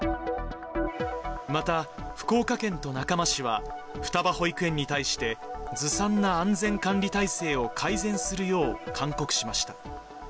また、福岡県と中間市は、双葉保育園に対して、ずさんな安全管理体制を改善するよう勧告しました。